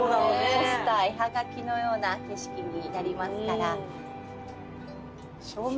ポスター絵はがきのような景色になりますから。